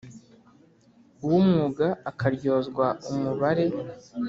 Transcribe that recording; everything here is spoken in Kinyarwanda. uw umwuga akaryozwa umubare